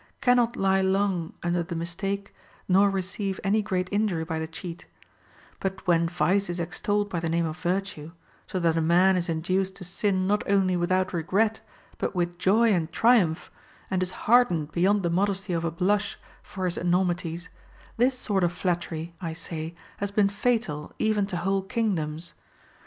III. 82. t Plat. Repub. V. Hi D. 118 HOW TO KNOW A FLATTERER cannot lie long under the mistake nor receive any gr at injury by the cheat ; but when vice is extolled by the name of virtue, so that a man is induced to sin not only without regret but with joy and triumph, and is hardened beyond the modesty of a blush for his enormities, this sort of flattery, I say, has been fatal even to whole kingdoms.